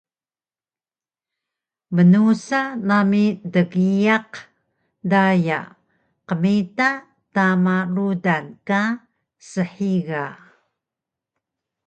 Mnusa nami dgiyaq daya qmita tama rudan ka shiga